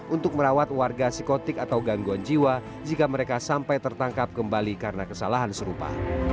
untuk merawat warga psikotik atau gangguan jiwa jika mereka sampai tertangkap kembali karena kesalahan serupa